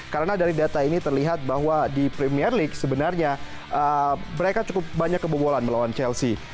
karena dari data ini terlihat bahwa di premier league sebenarnya mereka cukup banyak kebobolan melawan chelsea